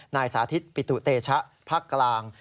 นายสาธิตปิตุเตชะภาคกลาง